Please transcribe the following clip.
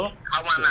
không anh ạ